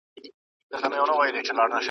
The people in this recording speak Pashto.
کمپيوټر خرڅلاو زياتوي.